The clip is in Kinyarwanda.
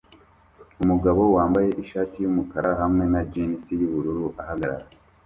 Umugabo wambaye ishati yumukara hamwe na jans yubururu ahagarara